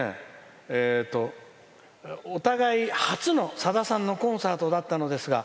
「お互い初のさださんのコンサートだったのですが」。